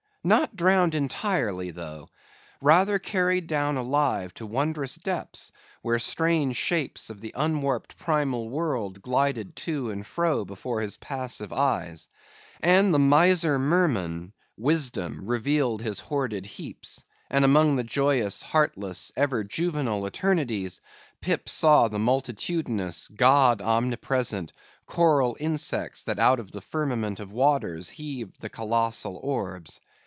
Not drowned entirely, though. Rather carried down alive to wondrous depths, where strange shapes of the unwarped primal world glided to and fro before his passive eyes; and the miser merman, Wisdom, revealed his hoarded heaps; and among the joyous, heartless, ever juvenile eternities, Pip saw the multitudinous, God omnipresent, coral insects, that out of the firmament of waters heaved the colossal orbs.